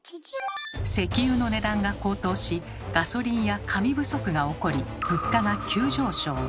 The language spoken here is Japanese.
石油の値段が高騰しガソリンや紙不足が起こり物価が急上昇。